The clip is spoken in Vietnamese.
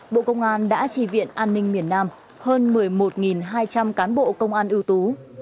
bộ công an đã tri viện an ninh miền nam hơn một mươi một hai trăm linh cán bộ công an ưu tú